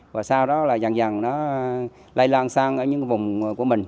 và sau đó là dần dần nó lây lan sang ở những vùng của mình